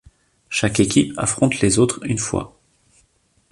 Chaque équipe affronte les autres une fois.